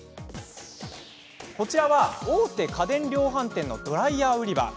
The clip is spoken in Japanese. こちらは、大手家電量販店のドライヤー売り場。